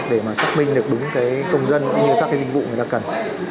để mà xác minh được đúng cái công dân cũng như các cái dịch vụ người ta cần